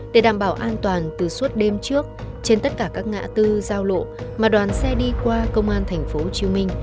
để đảm bảo an toàn từ suốt đêm trước trên tất cả các ngã tư giao lộ mà đoàn xe đi qua công an tp hcm